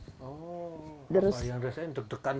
oh lumayan rasanya deg degan